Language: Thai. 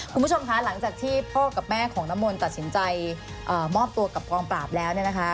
คุณผู้ชมคะหลังจากที่พ่อกับแม่ของน้ำมนต์ตัดสินใจมอบตัวกับกองปราบแล้วเนี่ยนะคะ